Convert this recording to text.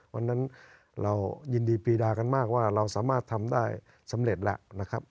วันนั้นเรายินดีปีดากันมากว่าเราสามารถทำได้สำเร็จแล้วนะครับ